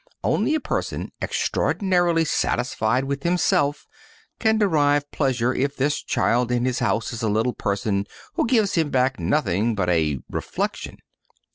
Only a person extraordinarily satisfied with himself can derive pleasure if this child in his house is a little person who gives him back nothing but a reflection.